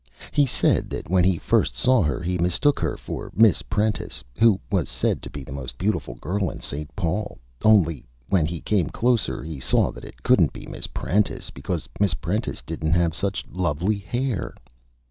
He said that when he first saw her he Mistook her for Miss Prentice, who was said to be the Most Beautiful Girl in St. Paul, only, when he came closer, he saw that it couldn't be Miss Prentice, because Miss Prentice didn't have such Lovely Hair.